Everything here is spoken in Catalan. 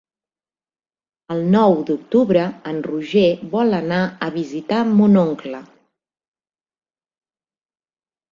El nou d'octubre en Roger vol anar a visitar mon oncle.